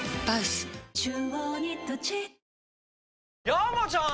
山ちゃん！